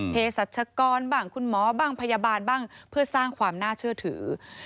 สัชกรบ้างคุณหมอบ้างพยาบาลบ้างเพื่อสร้างความน่าเชื่อถือ